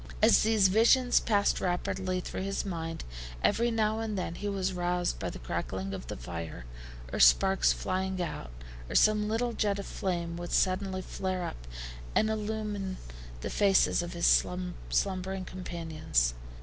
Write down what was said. As these visions passed rapidly through his mind, every now and then he was roused by the crackling of the fire, or sparks flying out, or some little jet of flame would suddenly flare up and illumine the faces of his slumbering companions.